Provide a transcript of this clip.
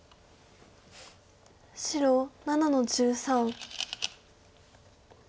白７の十三。